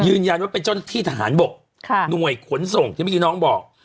ยืนยันว่าเป็นเจ้าหน้าที่ทหารบกหน่วยขนส่งที่เมื่อกี้น้องบอก